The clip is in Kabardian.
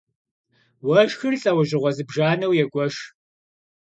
Уэшхыр лӀэужьыгъуэ зыбжанэу егуэш.